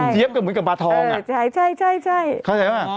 เจี๊ยบก็เหมือนกับปลาทองอะ